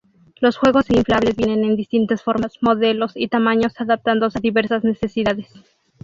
Los juegos inflables vienen en distintas formas, modelos, y tamaños adaptándose a diversas necesidades.